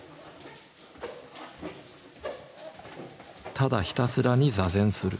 「ただひたすらに坐禅する」。